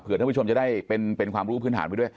เพื่อท่านผู้ชมจะได้เป็นความรู้พื้นฐานไปด้วย